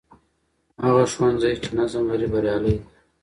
هغه ښوونځی چې نظم لري، بریالی دی.